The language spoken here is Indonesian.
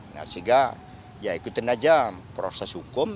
nah sehingga ya ikutin aja proses hukum